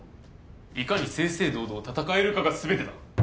いかに正々堂々戦えるかが全てだ。